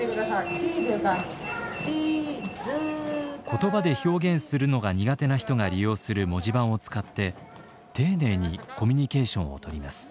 言葉で表現するのが苦手な人が利用する文字盤を使って丁寧にコミュニケーションをとります。